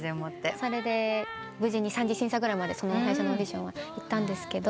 それで無事に三次審査ぐらいまで最初のオーディションはいったんですけど。